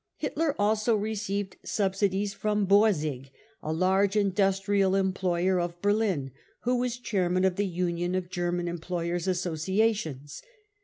Hitler also received subsidies from Borsig, a large industrial employer of Berlin, who was chairman of the Union of German Employers 5 Associations.